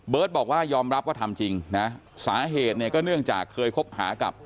บอกว่ายอมรับว่าทำจริงนะสาเหตุเนี่ยก็เนื่องจากเคยคบหากับ